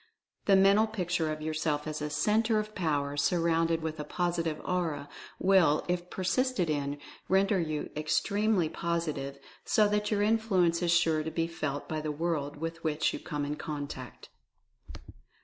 The Mental Picture of yourself as a Centre of Power, surrounded with a Positive Aura, will, if persisted in, render you extremely Positive, so that your influence is sure to be felt by the world with which you come in contact.